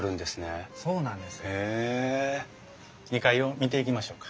２階を見ていきましょうか。